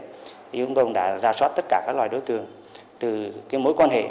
chúng tôi đã ra soát tất cả các loài đối tượng từ mối quan hệ